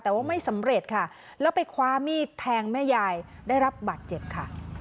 แต่ว่าไม่สำเร็จค่ะแล้วไปคว้ามีดแทงแม่ยายได้รับบาดเจ็บค่ะ